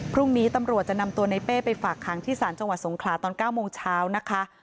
พรุ่งนี้ตำรวจจะนำตัวในเป้ไปฝากขังที่ศาลจังหวัดสงขลาตอน๙โมงเช้านะคะ